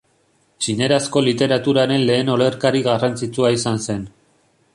Txinerazko literaturaren lehen olerkari garrantzitsua izan zen.